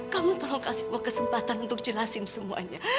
kamu tolong kasih kesempatan untuk jelasin semuanya